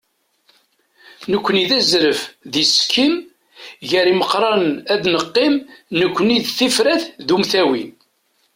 nekkni d azref d isekkim, gar imeqranen ad neqqim, nekkni d tifrat d umtawi.